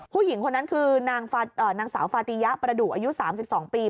ผู้หญิงคนนั้นคือนางสาวฟาติยะประดุอายุ๓๒ปี